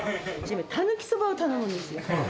たぬきそばを頼むんですよ。